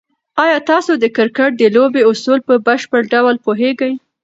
آیا تاسو د کرکټ د لوبې اصول په بشپړ ډول پوهېږئ؟